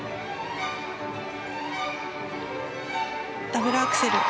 ダブルアクセル。